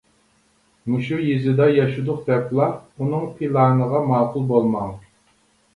مۇشۇ يېزىدا ياشىدۇق دەپلا ئۇنىڭ پىلانىغا ماقۇل بولماڭ.